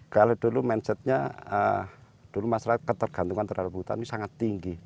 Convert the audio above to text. kalau dulu mindsetnya dulu masalah ketergantungan terhadap hutan ini sangat tinggi